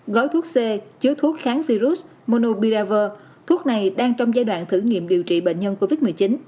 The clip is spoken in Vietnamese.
gói thuốc c chứa thuốc kháng virus monobiraver thuốc này đang trong giai đoạn thử nghiệm điều trị bệnh nhân covid một mươi chín